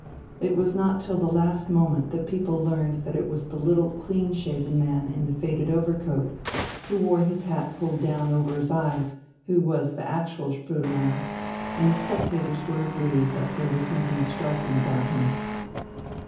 It was not till the last moment that people learned that it was the little clean shaven man in the faded overcoat, he who wore his hat pulled down over his eyes, who was the actual Spoelmann, and the spectators were agreed that there was nothing striking about him.